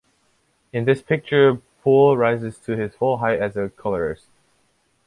In this picture Poole rises to his full height as a colourist.